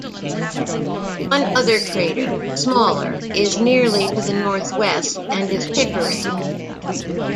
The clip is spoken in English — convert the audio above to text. One other crater, smaller is nearly to the northwest and is Pickering.